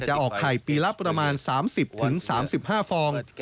ออกไข่ปีละประมาณ๓๐๓๕ฟอง